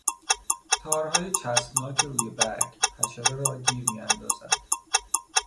تارهای چسبناک روی برگ، حشره را گیر میاندازد.